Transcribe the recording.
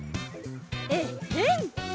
えっへん！